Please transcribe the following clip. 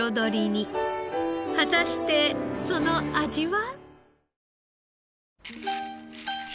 果たしてその味は？